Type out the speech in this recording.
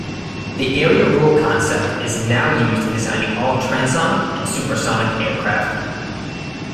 The area rule concept is now used in designing all transonic and supersonic aircraft.